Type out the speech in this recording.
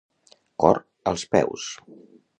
Cor als peus.